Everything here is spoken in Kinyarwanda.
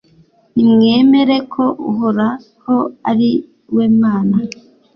Nimwemere ko Uhoraho ari we Mana